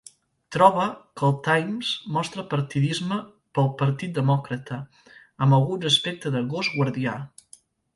Troba que el Times mostra partidisme pel Partit Demòcrata, amb alguns aspectes de "gos guardià".